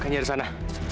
kayaknya di sana